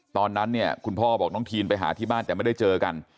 ตอนนั้นเนี่ยคุณพ่อบอกน้องทีนไปหาที่บ้านแต่ไม่ได้เจอกัน